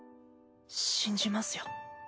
信じますよ。